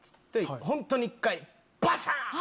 本当に１回バシャン！